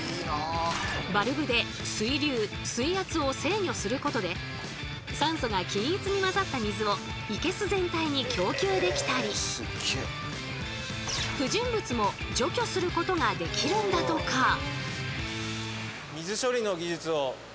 バルブで水流水圧を制御することで酸素が均一に混ざった水を生け簀全体に供給できたり不純物も除去することができるんだとか。